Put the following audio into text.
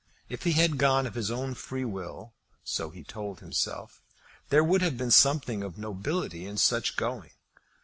If he had gone of his own free will, so he told himself, there would have been something of nobility in such going.